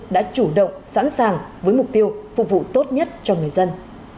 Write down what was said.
đã chủ động sẵn sàng với mục tiêu phục vụ tốt nhất cho người dân